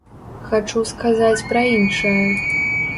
Хачу сказаць пра іншае.